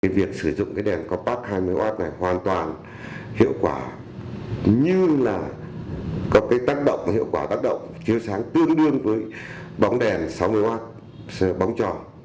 việc sử dụng đèn compact hai mươi w hoàn toàn hiệu quả như là có hiệu quả tác động chiếu sáng tương đương với bóng đèn sáu mươi w bóng tròn